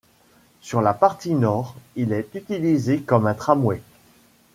Sur la partie nord, il est utilisé comme un tramway.